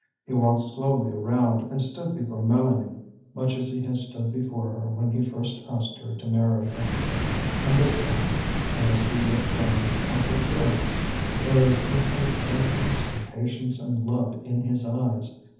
He walked slowly around and stood before Mélanie, much as he had stood before her when he first asked her to marry him; and this time, as he looked down on her fairness, there was infinite gentleness and patience and love in his eyes.